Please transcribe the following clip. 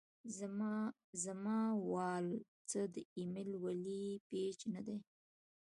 زما وال څۀ د اېمل ولي پېج نۀ دے